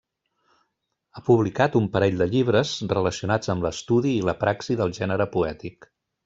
Ha publicat un parell de llibres relacionats amb l'estudi i la praxi del gènere poètic.